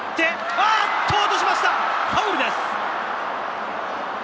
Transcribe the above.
あっと落としました、ファウルです！